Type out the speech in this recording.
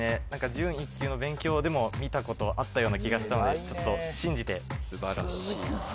準１級の勉強でも見たことあったような気がしたのでちょっと信じて素晴らしい鈴木くん